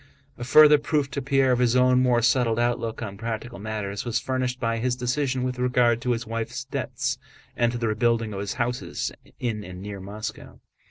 A further proof to Pierre of his own more settled outlook on practical matters was furnished by his decision with regard to his wife's debts and to the rebuilding of his houses in and near Moscow.